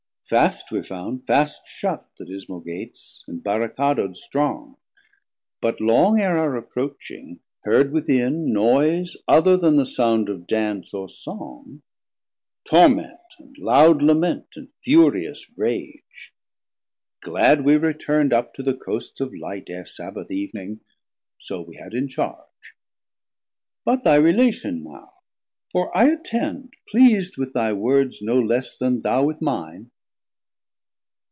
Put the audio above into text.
Fast we found, fast shut 240 The dismal Gates, and barricado'd strong; But long ere our approaching heard within Noise, other then the sound of Dance or Song, Torment, and lowd lament, and furious rage. Glad we return'd up to the coasts of Light Ere Sabbath Eev'ning: so we had in charge. But thy relation now; for I attend, Pleas'd with thy words no less then thou with mine.